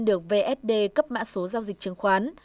được vsd cấp mã số giao dịch chứng khoán